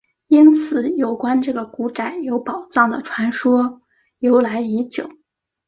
因此有关这个古宅有宝藏的传说由来已久。